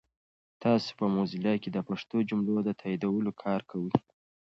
تاسو په موزیلا کې د پښتو جملو د تایدولو کار کوئ؟